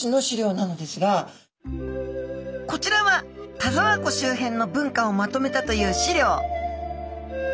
こちらは田沢湖周辺の文化をまとめたという資料